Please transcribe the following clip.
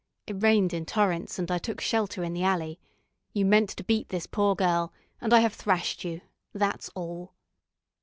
It rained in torrents, and I took shelter in the alley. You meant to beat this poor girl, and I have thrashed you, that's all."